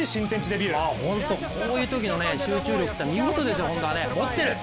こういうときの集中力は見事です持ってる！